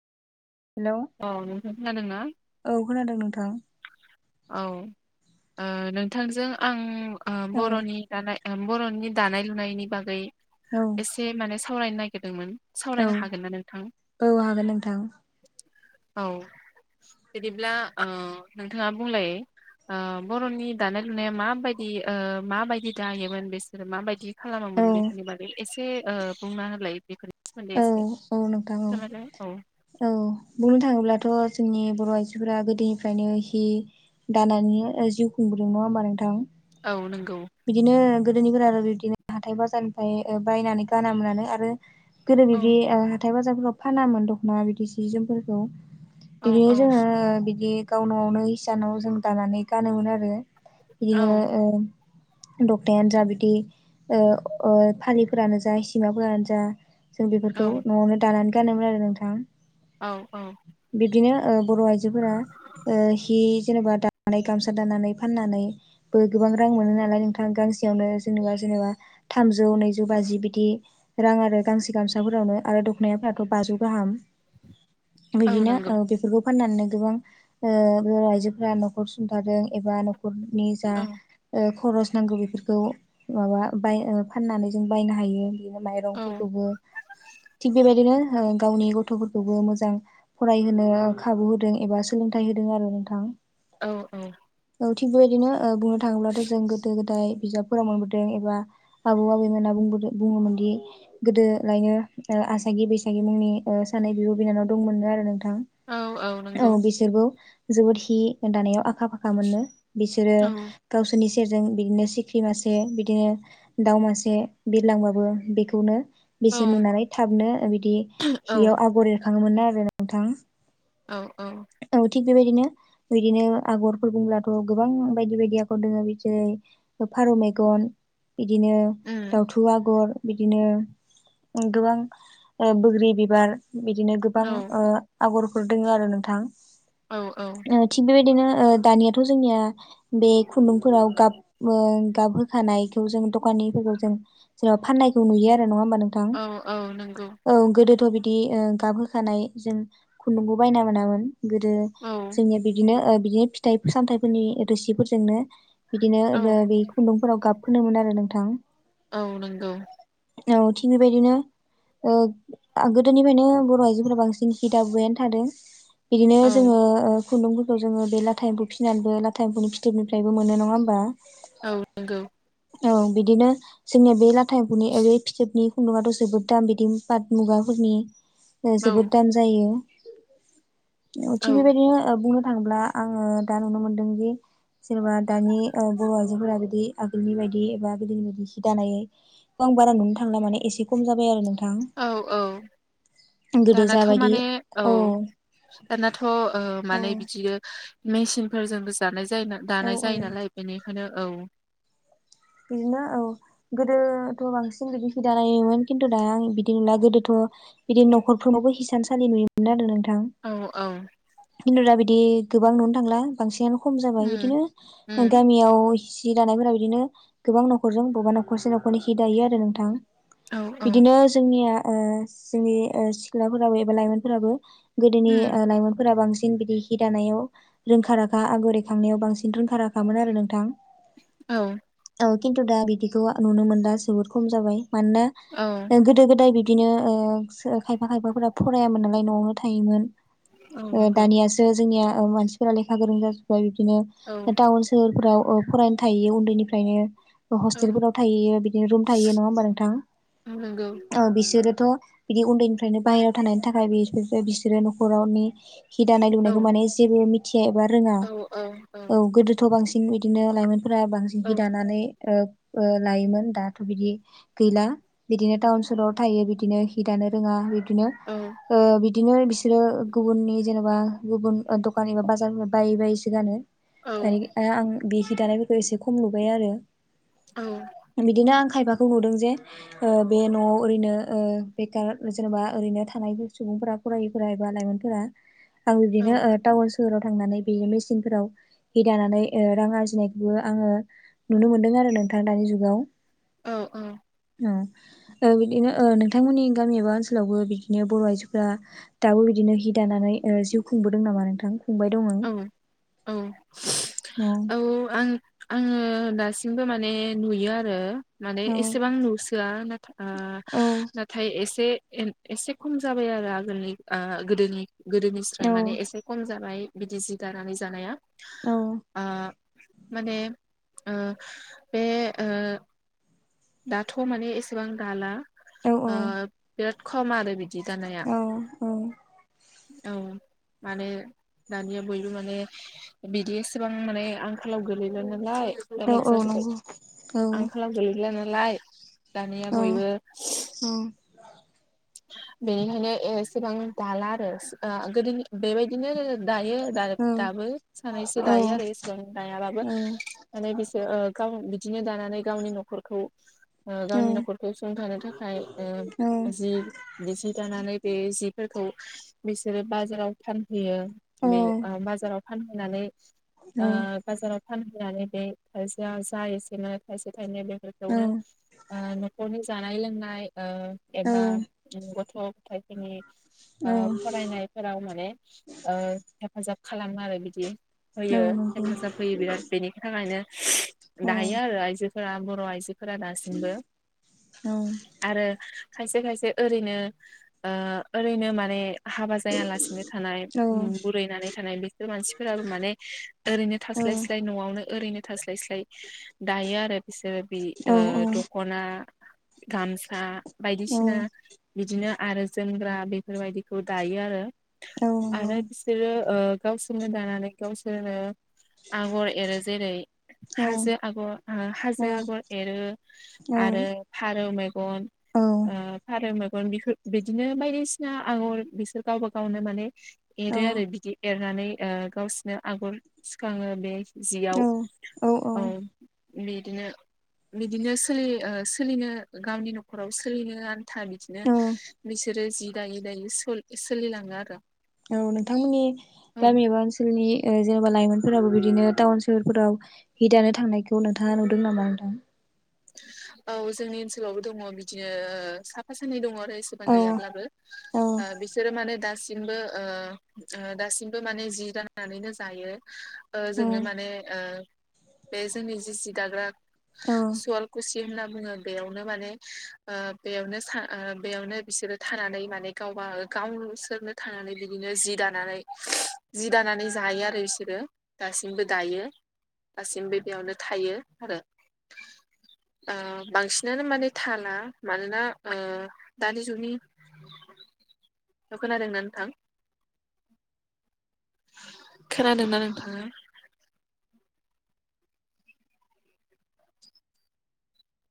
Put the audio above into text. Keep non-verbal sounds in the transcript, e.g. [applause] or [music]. Hello औ नों खोनादों ना? औ खोनादों नोंथां औ ओ नोंथांजों आं औ बर'नि दानाय ओ बर'नि दानाय लुनायनि बागै औ एसे माने सावरायनो नागिरदोंमोन सावरायनो हागोन ना नोंथां? औ हागोन नोंथां औ बिदिब्ला ओ नोंथाङा बुंलाय ओ बर'नि दानाय लुनाया माबायदि माबायदि ओ दायोमोन बिसोरो माबायदि औ खालामोन बेनि बागै एसे ओ बुंना होलाय बेफोरनि सोमोन्दै औ एसे औ नोंथां औ फोरमायलाय औ औ बुंनो थाङोब्लाथ' जोंनि बर' आइजोफोरा गोदोनिफ्रायनो हि दानानै जिउ खुंबोदों नङा होमबा नोंथां? औ नंगौ गोदोनिफ्राय आरो बिबदिनो हाथाय बाजारनिफ्राय बायनानै गाना मोनानो आरो गोदोनि औ बि ओ हाथाय बाजारफोराव फानामोन दख'ना बिदि सि जोमफोरखौ औ बिदि औ जोङो बिदि गावन'आवनो इसानाव जों दानानै गानोमोन आरो औ बिदिनो तक्थायानो जा बिदि फालिफोरानो जा हिसिमाफोरानो जा जों औ बेफोरखौ न'आवनो दानानै गानोमोन आरो नोंथां औ औ बिबदिनो ओ बर' आइजोफोरा ओ हि जेनेबा दानानै गामसा दानानै फाननानै बो गोबां रां मोनो नालाय नोंथां गांसेयावनो जेनेबा जेनेबा थामजौ नैजौ बाजि बिदि रां आरो गांसे गामसाफोरावनो आरो दख'नायाफोराथ' बाजौ गाहाम औ बिदिनो नंगौ ओ बेफोरखौ फाननानै गोबां ओ बर' आइजोफोरा न'खर सुंथारादों एबा नख जा औ ओ खरस नांगौ बेफोरखौ माबा बाय फाननानै जों बायनो हायो बेनो म औ फोरखौबो थिग बेबायदिनो गावनि गथ'फोरखौबो मोजां फरायहोनो खाबु होदों एबा सोलोंथाइ होदों आरो नोंथां। औ औ। औ थिग बेबायदिनो ओ बुंनो थाङोब्लाथ' जों गोदो गोदाय बिजाब फोराव मोनबोदों एबा आबौ आबैमोना बुंबोदों बुङोमोनदि गोदोलायनो ओ आसागि बैसागि मुंनि ओ सानै बिब' बिनानाव दंमोननो आरो नों औ बिसोरबो जोबोद हि दानायाव आखा फाखा मोननो। बिसोरो औ गावसोरनि सेरजों बिदिनो सिख्रि मासे बिदिनो दाउ मासे बिरलांबाबो बेखौनो औ बेसोर नुनानै थाबनो बिदि औ हियाव आगर एरखाङोमोननो‌ आरो नोंथां औ औ। थिग बेबायदिनो बिदिनो आगरफोर बुंब्लाथ' गोबां बायदि बायदि आगर दङो जेरै फारौ मेगन बिदिनो उम दाउथु आगर बिदिनो गोबां ओ बोग्रि बिबार बिदिनो गोबां औ ओ आगर आगरफोर दोङो आरो नोंथां औ औ थिग बेबायदिनो दानियाथ' जोंनिया बे खुन्दुंफोराव गाब ओ गाब होखानायखौ जों दखान जेनेबा फाननायखौ नुयो आरो नङा होमबा नोंथां औ औ नंगौ औ गोदोथ' बिदि ओ गाब होखानाय जों खुन्दुंखौ बायना मोनामोन। गोदो औ जोंनिया बिदिनो ओ बिदिनो फिथाइ सामथाइफोरनि रोसिफोरजोंनो बिदिनो औ बे खुन्दुंफोराव गाब फोनोमोन आरो नोंथां। औ नंगौ। औ थिग बेबायदिनो ओ गोदोनिफ्रायनो बर' आइजोफोरा बांसिन हि दाबुबायानो थादों। बिदिनो औ जोङो ओ खुन्दुंफोरखौ जोङो बे लाथा एम्फु फसिनानैबो लाथा एमफौनि फिथोबनिफ्रायबो मोनो नङा होमबा औ नंगौ। औ बिदिनो जोंनिया बे लाथा एमफुनि ओरै बनि खुन्दुंआथ' जोबोद दाम बिदि पाथ मुगाफोरनि ओ औ जोबोद दाम जायो। औ थिग बेबायदिनो ओ बुंनो थाङोब्ला आङो दा नुनो मोनदों जि जेनेबा दानि ओ बर' आइजोफोरा बिदि आगोलनि बायदि एबा गोदोनि बायदि हि दानाय आं बारा नुनो थांला मे एसे खम जाबाय आरो नोंथां। औ औ। गोदो दानाथ' जाबायदि माने औ दानाथ' ओ औ माने बिदिनो मेसिनफोरजोंबो जानाय जा औ दानाय औ जायो नालाय बेनिखायनो औ। बिदिनो औ गोदोथ' बांसिन बिदि हि दायोमोन खिन्थु दा आं बिदि नुला गोदोथ' बिदिनो नखरफोरावबो हिसान सालि नुयोमोन आरो नोंथां। औ औ। खिन्थु दा बिदि गोबां नुनो थांला बांसिनानो खम जाबाय उम बिदिनो उम गामियाव सि दानायफोरा बिदिनो गोबां न'खरजों बबेबा न'खरसे न'खरनि सि दायो आरो नोंथां। औ औ बिदिनो जोंनिया ओ जोंनि ओ सिख्लाफोराबो एबा लाइमोनफोराबो गोदोनि उम लाइमोनफोरा बांसिन बांसिन बिदि हि दानायाव रोंखा राखा आगर एरखांनायाव बांसिन रोंखा राखामोन आरो नोंथां। औ। औ खिन्थु दा बिदिखौ नुनो मोना जोबोर खम जाबाय औ मानोना गोदो गोदाय बि बिदिनो ओ खायफा खायफाफोरा फरायामोन नालाय न'आवनो थायोमोन। औ ओ नंगौ दानियासो जोंनिया मानसिफोरा लेखा गोरों जाजोबबाय बिदि बिदिनो औ टाउन सोहोरफोराव औ फरायनो थायो उन्दैनिफ्रायनो। हस्टेलफोराव औ थायो बिदिनो रुम थायो नङा होमबा नोंथां। नंगौ ओ बिसोरो थ' बिदि उन्दैनिफ्रायनो बाहेरायाव थानायनि थाखाय बिसोर बिसोरो न'खरावनि हि दानाय औ लुनायखौ माने जेबो मिथिया एबा रोङा। औ गोदोथ' बांसिन बिं बिदिनो लाइमोनफोरा बांसिन औ हि दानानै ओ लायोमोन दाथ' बिदि गैला बिदिनो टाउन सहराव थायो बिदिनो हि दानो रोङा बि बिनो औ ओ बिदिनो बिसोरो गुबुननि जेनेबा गुबुन ओ दखान एबा बाजारनि बायै बायैसो गानो औ औइ आं बे हि दानायफोरखौ एसे ख' ख'म नुबाय आरो औ बिदिनो आं खायफाखौ नुदों जे ओ बे न'आव ओरैनो ओ बेखार जेनेबा ओरैनो थानाय सुब फोरा फरायैफ्रा एबा लाइमोनफोरा आंबो औ बेनो टाउ सोहोराव थांनानै बेयो मेसिनफोराव हि दानानै ओ रां आरजिनायखौनो आङो नुनो मोनदों आरो नोंथां दानि जुगाव। औ औ। ओ औ बिदिनो ओ नोंथांमोननि गामि एबा ओनसोलावबो बिदिनो बर' आइजोफोरा दाबो बिदि नो हि दानानै ओ जिउ खुंबोदों नामा नोंथां? खुंबाय दङ औ औ औ आं आङो ओ दासिमबो माने नुयो आरो। माने औ एसेबां नुसोआ नाथा आ औ नाथाय एसे एन एसे खम जाबाय आरो आगोलनि गोदोनि गोदोनिस्राय माने एसे खम जाबाय। बिदि जि दानानै जानाया औ ओ माने ओ बे ओ। दाथ' माने एसेबां दाला औ ओ बिराद खम आरो बि औ औ। औ। माने दानिया बयबो माने बिदि एसेबां माने आंखालाव गोलैला नालाय। औ ओरै औ जाजोब्बाय नंगौ औ आंखालाव गोलै ला नालाय दानिया औ बयबो। बेनिखायनो एसेबां दाला आरो ओ गोदो बेबायदिनो दायो दाबो सानैसो दायो आरो इसेबां दायाबाबो माने बिसोर ओ गाव बिदिनो दानानै गावनि न'खरखौ ओ गावनि नखरखौ सुंथानो थाखाय ओ जि जि दानानै बे जिफोरखौ बिसोरो बाजाराव फान फैहोयो बे बाजाराव फानहैनै ओ बाजाराव फान नानै बे खायसेया जा एसेनो थायसे थाइनै बेफोरखौनो ओ न'खरनि जानाय लोंनाय ओ एबा गथ' गथायाइफोरनि ओ फरायनायफोराव माने ओ हेफाजाब खालामो आरो बिदि होयो हेफाजाब होयो बिराद बेनि थाखायनो दायो आरो आइजो फोरा बर' आइजोफोरा दासिमबो आरो खायसे खायसे ओरैनो ओ ओरैनो माने हाबा जायालासिनो थानाय उम बुरैनानै थानाय बिसोर मानसिफोराबो माने ओरैनो थास स्लाय स्लाय न'आवनो ओरै'नो थास्लाय स्लाय दायो आरो बिसोरो ओ बे दख'ना गामसा बायदिसिना। बिदिनो आरो जोमग्रा बेफोरबायदिखौ दायो आरो आरो बिसोरो ओ गावसोरनो दानानै गावसोरो आगर एरो जेरै' हाजो आगर हाजो आगर एरो आरो फारौ मैग अ ओ [inaudible] बिफोर बिदिनो बायदिसिना आंगर बिसोर गावबा गावनो माने एरो आरो बिदि एरनानै ओ गावसिनो आगर सिखाङो। बे जियाव औ। बिदिनो -बिदिनो सोलि ओ सोलिनो गावनि न'खराव सोलिनो आरो [unintelligible] बिदिनो बिसोरो जि दायै -दायै सो- सोलिलाङो आरो। औ नोंथांमोननि औ गामि एबा ओनसोलनि ओ जेनेबा लाइमोनफोराबो बिदिनो टाउन सोहरफोराव हि दानो थांनायखौ नोंथाङा नुदों नामा? नोंथां। औ, जोंनि ओनसोलावबो दङ। बिदिनो साफा सानै दङ। एसेबां औ गैयाब्लाबो औ ओ बिसोरो माने [unintelligible] [unintelligible] ओ दासिमबो माने जि दानानैनो जायो। ओ जोंनो औ माने ओ बे जोंनि जि सि दाग्रा औ। खुवालखुसि होनना बुङो। बेयावनो माने ओ बेयावनो सा-ओ बेयावनो बिसोरो थानानै माने गावबा गावसोरनो थांनानै बिदिनो जि दानानै जि दानानै जायो आरो। बिसोरो दासिमबो दायो। दासिमबो बेयावनो थायो आरो। [unintelligible] ओ बांसिनानो माने थाला। मानोना ओ दानि जुगनि [unintelligible] ओ खोनादोंना नोंथां? खोनादोंना नोंथाङा?